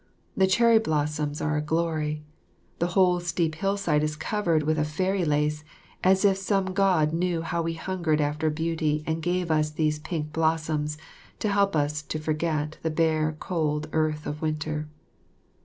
The cherry blossoms are a glory. The whole steep hillside is covered with a fairy lace, as if some God knew how we hungered after beauty and gave us these pink blossoms to help us to forget the bare cold earth of winter.